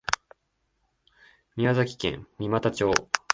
宮崎県三股町